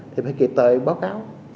thì phải kịp thời báo cáo